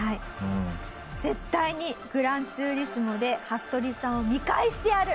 絶対に『グランツーリスモ』で服部さんを見返してやる！